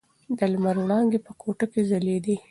د لمر وړانګې په کوټه کې ځلېدې.